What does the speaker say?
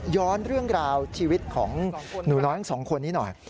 ย้อนเรื่องราวชีวิตของหนูน้อยทั้งสองคนนี้หน่อย